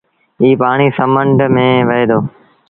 ايٚ پآڻي سمنڊ ميݩ وهي دو۔